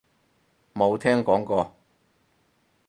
冇聽講過